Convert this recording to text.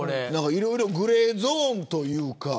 いろいろグレーゾーンというか。